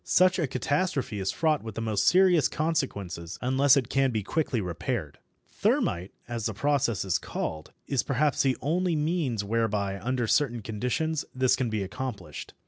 Such a catastrophe is fraught with the most serious consequences, unless it can be quickly repaired. Thermit, as this process is called, is perhaps the only means whereby, under certain conditions, this can be accomplished.